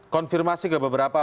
konfirmasi ke beberapa